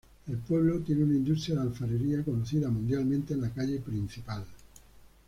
El pueblo tiene una industria de alfarería conocida mundialmente en la calle principal.